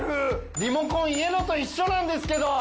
リモコン家のと一緒なんですけど！